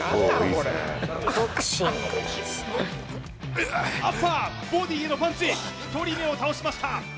ウッアッパーボディーへのパンチ１人目を倒しました